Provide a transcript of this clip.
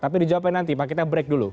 tapi dijawabkan nanti pak kita break dulu